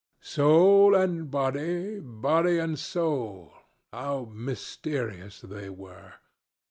Soul and body, body and soul—how mysterious they were!